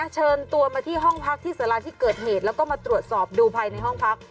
เชิญตัวมาที่ห้องพักที่สาราที่เกิดเหตุแล้วก็มาตรวจสอบดูภายในห้องพัก